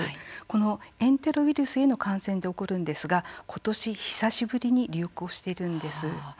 このエンテロウイルスへの感染で起こるんですが、ことし久しぶりに流行してるんです。